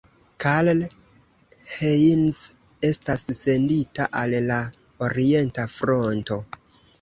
Karl Heinz estas sendita al la orienta fronto.